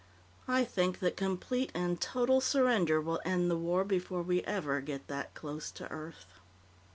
I think that complete and total surrender will end the war before we ever get that close to Earth."